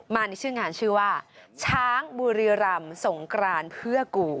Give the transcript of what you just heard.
ในชื่องานชื่อว่าช้างบุรีรำสงกรานเพื่อกู